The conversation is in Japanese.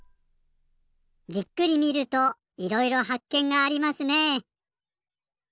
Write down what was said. じっくり見るといろいろはっけんがありますね。